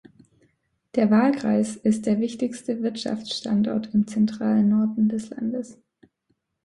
Der Wahlkreis ist der wichtigste Wirtschaftsstandort im zentralen Norden des Landes.